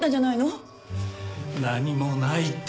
何もないって。